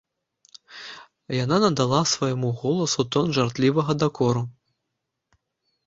Яна надала свайму голасу тон жартлівага дакору.